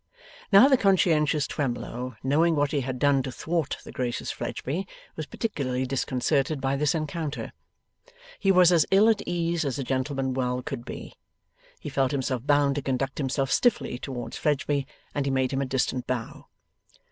Now the conscientious Twemlow, knowing what he had done to thwart the gracious Fledgeby, was particularly disconcerted by this encounter. He was as ill at ease as a gentleman well could be. He felt himself bound to conduct himself stiffly towards Fledgeby, and he made him a distant bow.